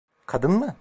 Kadın mı?